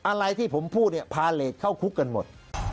อะไรที่ผมพูดเนี่ยพาเลสเข้าคุกกันหมด